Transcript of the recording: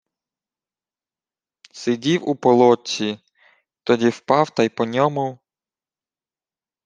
— Сидів у полотці, тоді впав та й по ньому...